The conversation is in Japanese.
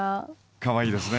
かわいいですね。